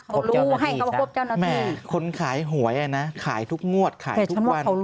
เขารู้ให้เขาครบเจ้าหน้าที่แหม่คนขายหวยอ่ะนะขายทุกงวดขายทุกวัน